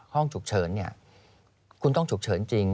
ห้องฉุกเฉินคุณต้องฉุกเฉินจริง